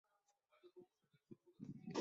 奥云格日勒在库苏古尔省出生和长大。